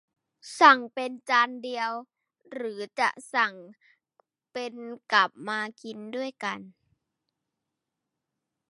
สั่งเป็นจานเดียว หรือจะสั่งเป็นกับมากินด้วยกัน